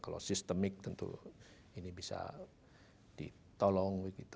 kalau sistemik tentu ini bisa ditolong